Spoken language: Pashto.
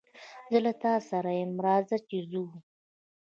زه له تاسره ېم رازه چې ځو